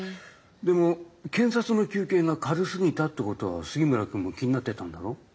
でも検察の求刑が軽すぎたってことは杉村君も気になってたんだろ？